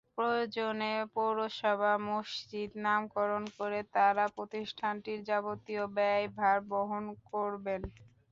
প্রয়োজনে পৌরসভা মসজিদ নামকরণ করে তাঁরা প্রতিষ্ঠানটির যাবতীয় ব্যয়ভার বহন করবেন।